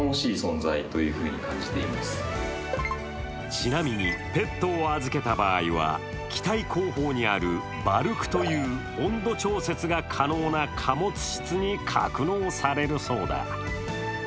ちなみに、ペットを預けた場合は機体後方にあるバルクという温度調節が可能な貨物室に格納されるそうだ。